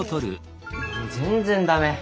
全然駄目。